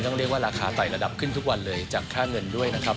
เรียกว่าราคาไต่ระดับขึ้นทุกวันเลยจากค่าเงินด้วยนะครับ